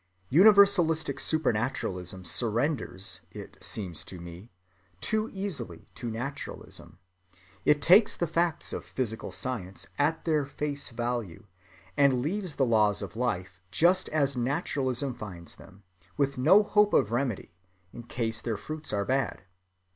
Universalistic supernaturalism surrenders, it seems to me, too easily to naturalism. It takes the facts of physical science at their face‐value, and leaves the laws of life just as naturalism finds them, with no hope of remedy, in case their fruits are bad.